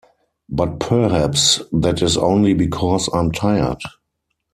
But perhaps that is only because I’m tired.